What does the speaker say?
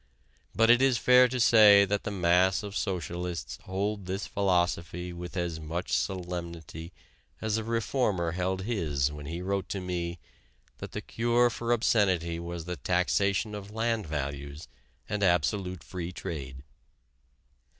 But it is fair to say that the mass of socialists hold this philosophy with as much solemnity as a reformer held his when he wrote to me that the cure for obscenity was the taxation of land values and absolute free trade.